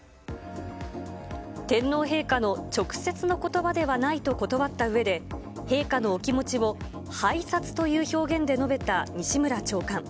天皇陛下の直接のことばではないと断ったうえで、陛下のお気持ちを拝察という表現で述べた西村長官。